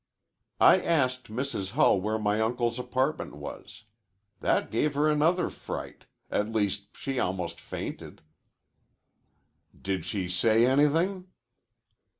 "I asked Mrs. Hull where my uncle's apartment was. That gave her another fright. At least she almost fainted." "Did she say anything?"